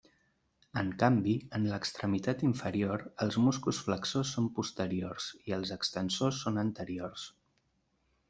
En canvi, en l'extremitat inferior, els músculs flexors són posteriors i els extensors són anteriors.